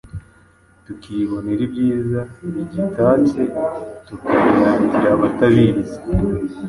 tukibonera ibyiza bigitatse tukabiratira abatabizi.